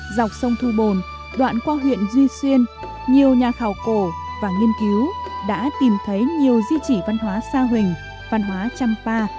dọc sông thu bồn đoạn qua huyện duy xuyên nhiều nhà khảo cổ và nghiên cứu đã tìm thấy nhiều di chỉ văn hóa sa huỳnh văn hóa trăm pa